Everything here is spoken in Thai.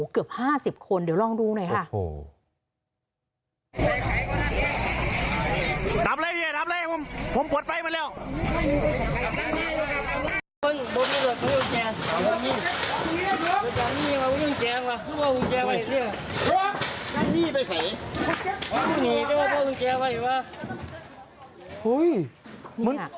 เกือบ๕๐คนเดี๋ยวลองดูหน่อยค่ะ